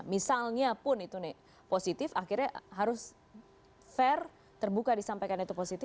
misalnya pun itu nih positif akhirnya harus fair terbuka disampaikan itu positif